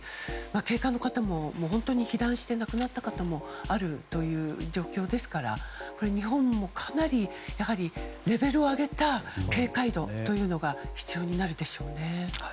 警官の方も本当に被弾して亡くなった方もいるという状況ですから日本もかなりレベルを上げた警戒度というのが必要になるでしょうね。